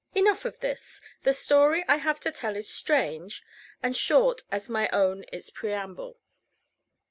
Enough of this: the story I have to tell is strange, and short as my own its preamble.